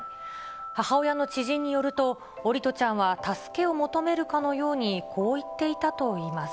母親の知人によると、桜利斗ちゃんは助けを求めるかのようにこう言っていたといいます。